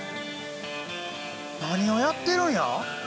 何をやってるんや？